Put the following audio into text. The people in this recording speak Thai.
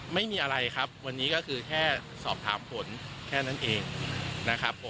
ไม่มีอะไรครับวันนี้ก็คือแค่สอบถามผลแค่นั้นเองนะครับผม